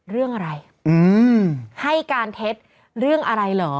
เรื่องอะไรให้การเท็จเรื่องอะไรเหรอ